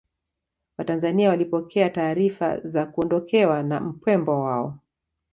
watanzania walipokea taarifa za kuondokewa na mpendwa wao